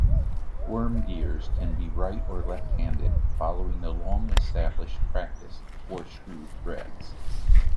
Worm gears can be right or left-handed, following the long-established practice for screw threads.